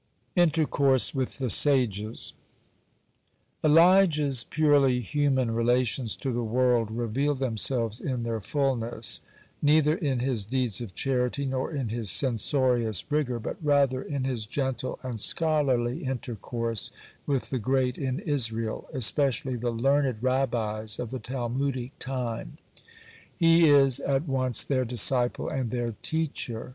(74) INTERCOURSE WITH THE SAGES Elijah's purely human relations to the world revealed themselves in their fulness, neither in his deeds of charity, nor in his censorious rigor, but rather in his gentle and scholarly intercourse with the great in Israel, especially the learned Rabbis of the Talmudic time. He is at once their disciple and their teacher.